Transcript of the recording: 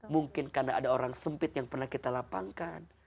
mungkin karena ada orang sempit yang pernah kita lapangkan